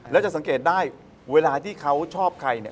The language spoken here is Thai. แล้วจะสังเกตได้เวลาที่เขาชอบใครเนี่ย